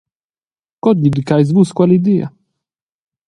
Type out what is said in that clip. Co giudicheis Vus quella idea?